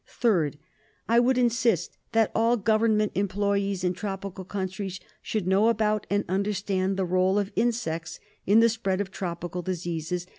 Third : I would insist that all government employees in tropical countries should know about and under stand the r6le of insects in the spread of tropical diseases.